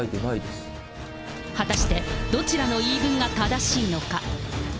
果たして、どちらの言い分が正しいのか？